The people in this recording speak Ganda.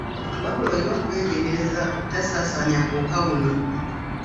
Wabula olina okwegendereza obutasaasaanya buwuka buno.